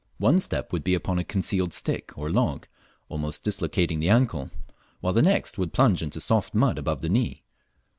One step would be upon a concealed stick or log, almost dislocating the ankle, while the next would plunge into soft mud above the knee.